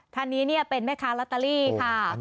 ท่านนี้เป็นแม่ค้าลอตเตอรี่ค่ะ